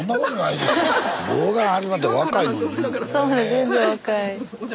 全然若い。